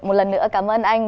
một lần nữa cảm ơn anh